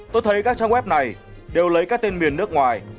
tôi thấy các trang web này đều lấy các tên miền nước ngoài